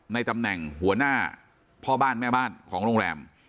ในตำแหน่งหัวหน้าพ่อบ้านแม่บ้านของโรงแรม